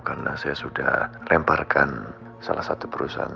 karena saya sudah remparkan salah satu perusahaan